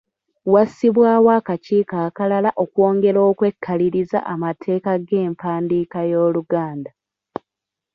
Wassibwawo akakiiko akalala okwongera okwekaliriza amateeka g’empandiika y’Oluganda.